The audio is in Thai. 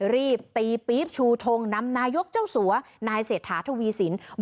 รีบตีปี๊บชูทงนำนายกเจ้าสัวนายเศรษฐาทวีสิน